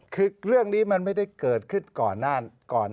คือเรื่องนี้มันไม่ได้เกิดขึ้นก่อน